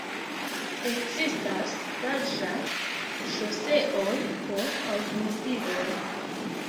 Ekzistas larĝaj ŝoseoj por aŭtomobiloj.